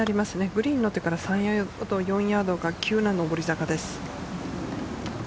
グリーンになってから３ヤード４ヤードが急な上り坂です。